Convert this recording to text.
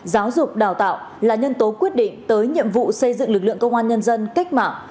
giáo dục đào tạo là nhân tố quyết định tới nhiệm vụ xây dựng lực lượng công an nhân dân cách mạng